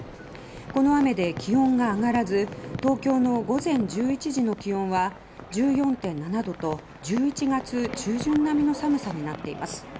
この雨で気温が上がらず東京の午前１１時の気温は１４．７度と１１月中旬並みの寒さになっています。